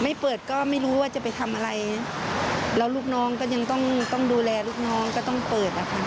ไม่เปิดก็ไม่รู้ว่าจะไปทำอะไรแล้วลูกน้องก็ยังต้องดูแลลูกน้องก็ต้องเปิดนะคะ